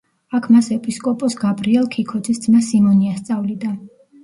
აქ მას ეპისკოპოს გაბრიელ ქიქოძის ძმა სიმონი ასწავლიდა.